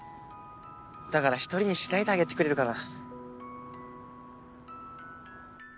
だから一人にしないであげてくれるかな。